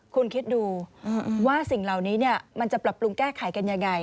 คุณคิดดูว่าสิ่งเหล่านี้มันจะปรับปรุงแก้ไขกันยังไง